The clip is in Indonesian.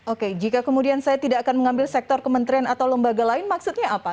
oke jika kemudian saya tidak akan mengambil sektor kementerian atau lembaga lain maksudnya apa